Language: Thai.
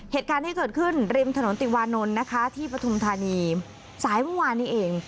เหตุการณ์ที่เกิดขึ้นริมถนนติวานนท์นะคะที่ปฐุมธานีสายเมื่อวานนี้เอง